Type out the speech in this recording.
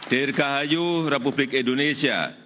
dirgahayuh republik indonesia